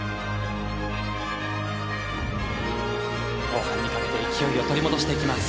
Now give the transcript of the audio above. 後半にかけて勢いを取り戻していきます。